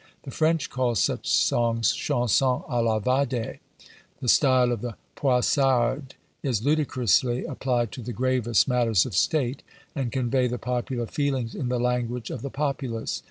The French call such songs Chansons Ã la Vadé; the style of the Poissardes is ludicrously applied to the gravest matters of state, and convey the popular feelings in the language of the populace.